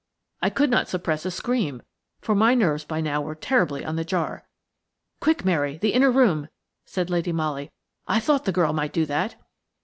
I could not suppress a scream, for my nerves by now were terribly on the jar. "Quick, Mary–the inner room!" said Lady Molly. "I thought the girl might do that."